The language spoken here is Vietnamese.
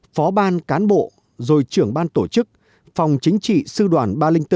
phó ban cán bộ rồi trưởng ban tổ chức phòng chính trị sư đoàn ba trăm linh bốn